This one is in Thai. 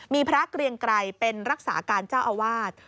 มีพระเกรียงไกรเป็นรักษาการเจ้าอาวาส